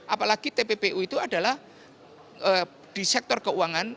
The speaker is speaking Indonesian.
apalagi tppu itu adalah di sektor keuangan